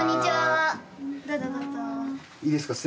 いいですか？